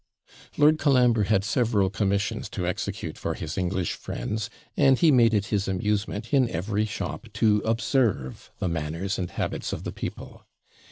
Lord Colambre had several commissions to execute for his English friends, and he made it his amusement in every shop to observe the manners and habits of the people.